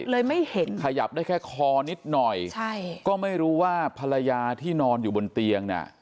ไม่เห็นขยับได้แค่คอนิดหน่อยใช่ก็ไม่รู้ว่าภรรยาที่นอนอยู่บนเตียงเนี่ย